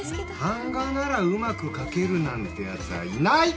版画ならうまく描けるなんて奴はいない！